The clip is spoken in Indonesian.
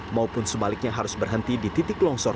maupun sebaliknya harus berhenti di titik longsor